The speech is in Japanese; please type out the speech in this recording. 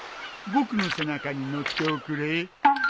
僕の背中に乗っておくれ。